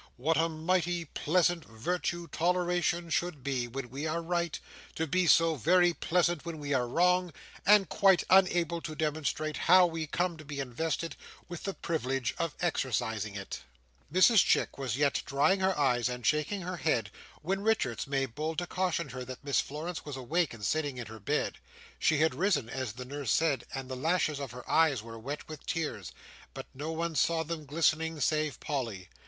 What a mighty pleasant virtue toleration should be when we are right, to be so very pleasant when we are wrong, and quite unable to demonstrate how we come to be invested with the privilege of exercising it! Mrs Chick was yet drying her eyes and shaking her head, when Richards made bold to caution her that Miss Florence was awake and sitting in her bed. She had risen, as the nurse said, and the lashes of her eyes were wet with tears. But no one saw them glistening save Polly.